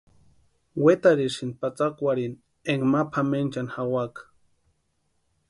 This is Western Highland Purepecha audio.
Wetarhisïnti patsakwarhini énka ma pʼamenchani jawaka.